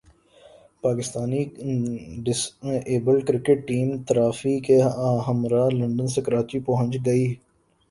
Pakistani disabled cricket team trophy کے ہمراہ London سے کراچی پہنچ گئی